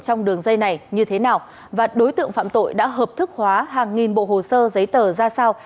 trong đường dây này như thế nào và đối tượng phạm tội đã hợp thức hóa hàng nghìn bộ hồ sơ giấy tờ ra sao